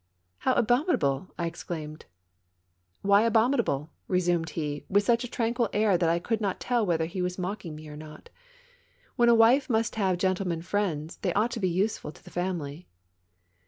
"How abominable!" I exclaimed. "Why abominable?" resumed he, with such a tran quil air that I could not tell whether he was mocking me or not. " When a wife must have gentlemen friends, they ought to be useful to the family!"